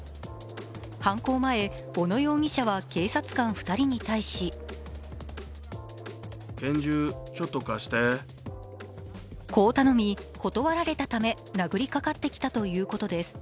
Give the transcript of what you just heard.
犯行前、小野容疑者は警察官２人に対しこう頼み、断られたため殴りかかってきたということです。